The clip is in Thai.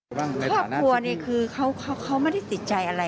ครอบครัวนี่คือเขาไม่ได้ติดใจอะไร